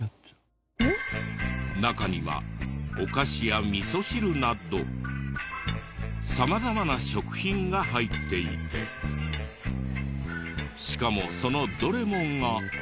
中にはお菓子や味噌汁など様々な食品が入っていてしかもそのどれもが。